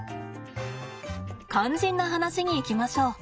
肝心な話に行きましょう。